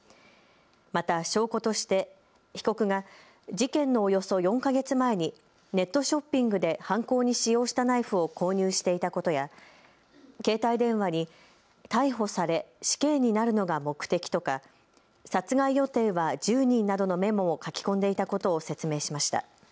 また証拠として被告が事件のおよそ４か月前にネットショッピングで犯行に使用したナイフを購入していたことや携帯電話に逮捕され死刑になるのが目的とか殺害予定は１０人などのメモを書き込んでいたことを説明しました。